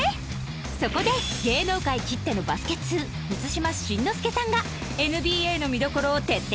そこで芸能界きってのバスケ通満島真之介さんが ＮＢＡ の見どころを徹底解説